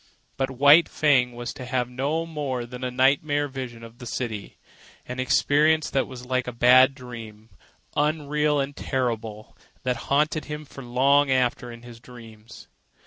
But White Fang was to have no more than a nightmare vision of the city—an experience that was like a bad dream, unreal and terrible, that haunted him for long after in his dreams.